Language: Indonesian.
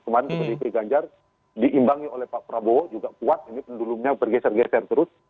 kemarin pdip ganjar diimbangi oleh pak prabowo juga kuat ini pendulumnya bergeser geser terus